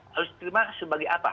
harus terima sebagai apa